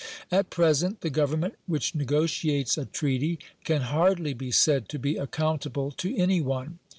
At present the Government which negotiates a treaty can hardly be said to be accountable to any one.